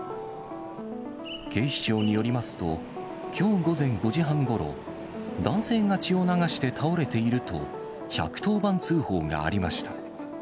警視庁によりますと、きょう午前５時半ごろ、男性が血を流して倒れていると、１１０番通報がありました。